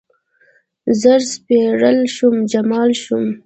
زر سپرلیه شوم، جمال شوم